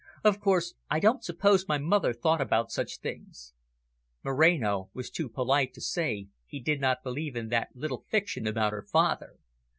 "Of course, I don't suppose my mother thought about such things." Moreno was too polite to say he did not believe in that little fiction about her father.